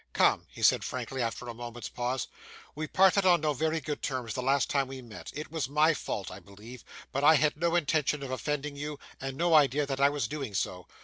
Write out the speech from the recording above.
'Come!' he said, frankly, after a moment's pause, 'we parted on no very good terms the last time we met; it was my fault, I believe; but I had no intention of offending you, and no idea that I was doing so.